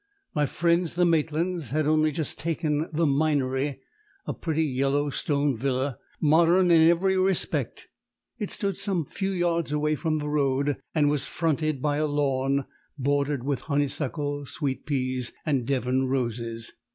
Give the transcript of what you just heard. My friends, the Maitlands had only just taken "The Minery," a pretty yellow stone villa, modern in every respect. It stood some few yards away from the road and was fronted by a lawn, bordered with honeysuckle, sweet peas and Devon roses.